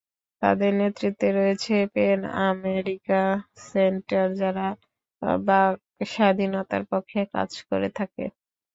তাদের নেতৃত্বে রয়েছে পেন আমেরিকা সেন্টার, যারা বাক্স্বাধীনতার পক্ষে কাজ করে থাকে।